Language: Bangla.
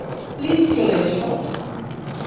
প্লিজ চলে এসো।